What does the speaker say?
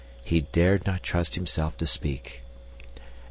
He dared not trust himself to speak.